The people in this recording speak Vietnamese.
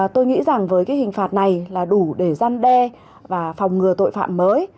tôi nghĩ rằng với cái hình phạt này là đủ để gian đe và phòng ngừa tội phạm mới